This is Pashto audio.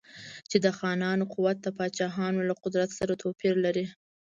چې د خانانو قوت د پاچاهانو له قدرت سره توپیر لري.